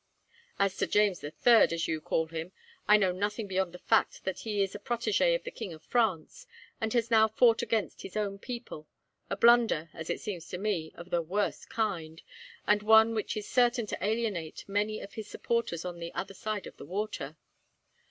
"As to James the Third, as you call him, I know nothing beyond the fact that he is a protege of the king of France, and has now fought against his own people a blunder, as it seems to me, of the worst kind, and one which is certain to alienate many of his supporters on the other side of the water.